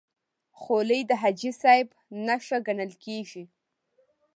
خولۍ د حاجي صاحب نښه ګڼل کېږي.